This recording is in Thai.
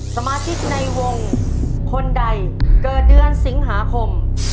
สมาชิกในวงคนใดเกิดเดือนสิงหาคม